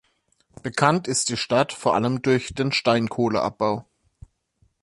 Bekannt ist die Stadt vor allem durch den Steinkohleabbau.